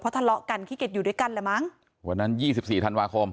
ทะเลาะกันขี้เก็ตอยู่ด้วยกันแหละมั้งวันนั้นยี่สิบสี่ธันวาคม